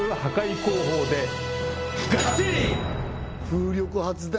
風力発電